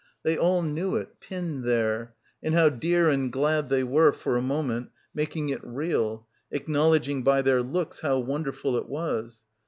They all knew it, pinned there; and how dear and glad they were, for a moment, making it real, acknowledging by their looks how wonderful it was.